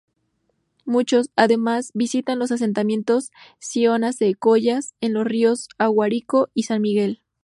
Muchos, además, visitan los asentamientos siona-secoyas en los ríos Aguarico y San Miguel.